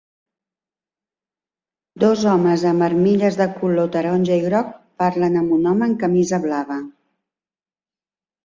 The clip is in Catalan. Dos homes amb armilles de color taronja i groc parlen amb un home amb camisa blava.